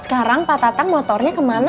sekarang pak tatang motornya kemana